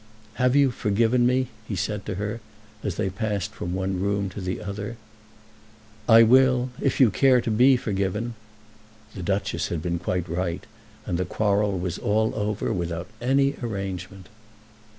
"Have you forgiven me?" he said to her, as they passed from one room to the other. "I will, if you care to be forgiven." The Duchess had been quite right, and the quarrel was all over without any arrangement.